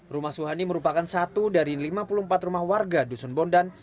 rumah suhani merupakan satu dari lima puluh empat rumah warga dusun bondan